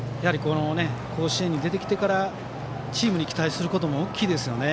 甲子園に出てきてからチームに期待することも大きいですよね。